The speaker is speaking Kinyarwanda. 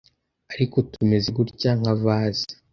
ariko tumeze gutya nka vase